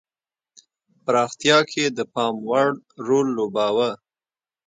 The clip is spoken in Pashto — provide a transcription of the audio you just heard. پراختیا کې د پاموړ رول لوباوه.